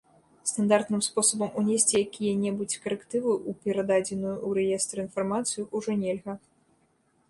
Стандартным спосабам унесці якія-небудзь карэктывы ў перададзеную ў рэестр інфармацыю ўжо нельга.